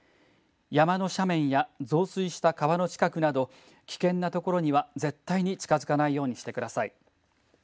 山の斜面や増水した川の近くなど危険なところには絶対に近づかないようにしてください。